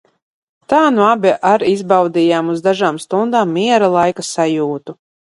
"Tā nu abi ar izbaudījām uz dažām stundām "miera laika" sajūtu."